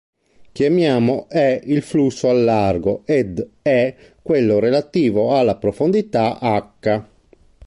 Chiamiamo E il flusso al largo ed E quello relativo alla profondità h.